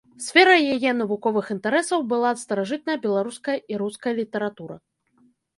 Сферай яе навуковых інтарэсаў была старажытная беларуская і руская літаратура.